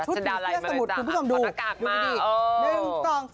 ชุดผิวเสื้อสมุทรคุณผู้ชมดู